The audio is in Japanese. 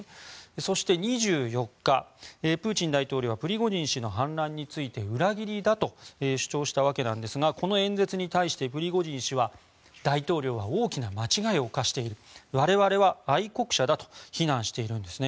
そして２４日、プーチン大統領はプリゴジン氏の反乱について裏切りだと主張したわけですがこの演説に対してプリゴジン氏は、大統領は大きな間違いを犯している我々は愛国者だと非難しているんですね。